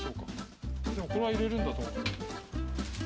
これは入れるんだよ思う。